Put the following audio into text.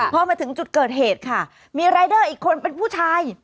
พอมาถึงจุดเกิดเหตุค่ะมีรายเดอร์อีกคนเป็นผู้ชาย